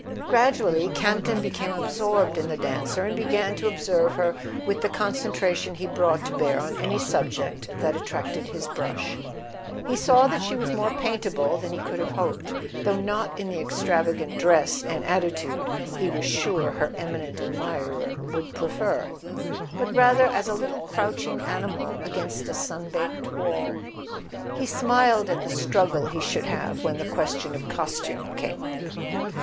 Gradually Campton became absorbed in the dancer and began to observe her with the concentration he brought to bear on any subject that attracted his brush. He saw that she was more paintable than he could have hoped, though not in the extravagant dress and attitude he was sure her eminent admirer would pre [ 35 ] A SON AT THE FRONT fer; but rather as a little crouching animal against a sun baked wall. He smiled at the struggle he should have when the question of costume came up.